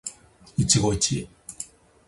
一期一会